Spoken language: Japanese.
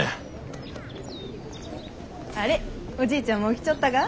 あれおじいちゃんも来ちょったが？